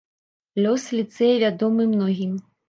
Лёс ліцэю вядомы многім.